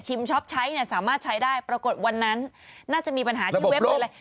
ชิมช็อปใช้สามารถใช้ได้ปรากฏวันนั้นน่าจะมีปัญหาที่เว็บเลย